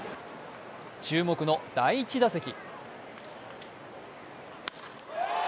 注目の第１打席。